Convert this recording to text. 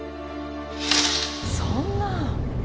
そんな！